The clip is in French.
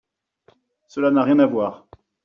Cela n’a rien à voir